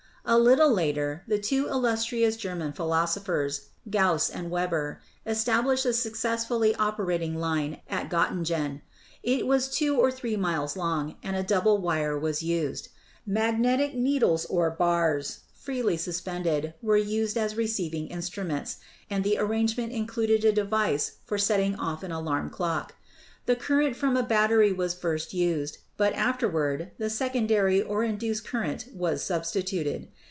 A little later the two illustrious German philosophers, Gauss and Weber, established a successfully operating line at Gottingen. It was two or three miles long, and a double wire was used. Magnetic needles or bars, freely suspended, were used as receiving instruments, and the arrangement included a device for setting off an alarm clock. The current from a battery was first used, but afterward the secondary or induced current was sub stituted.